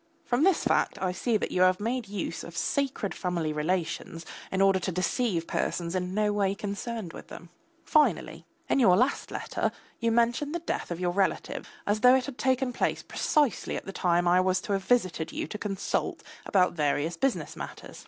From this fact I see that you have made use of sacred family relations in order to deceive persons in no way concerned with them. Finally, in your last letter you mention the death of your relatives as though it had taken place precisely at the time when I was to have visited you to consult about various business matters.